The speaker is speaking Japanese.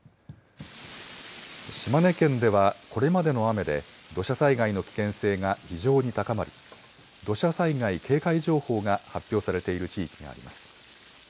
島根県ではこれまでの雨で土砂災害の危険性が非常に高まり土砂災害警戒情報が発表されている地域があります。